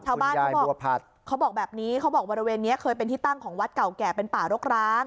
เขาบอกเขาบอกแบบนี้เขาบอกบริเวณนี้เคยเป็นที่ตั้งของวัดเก่าแก่เป็นป่ารกร้าง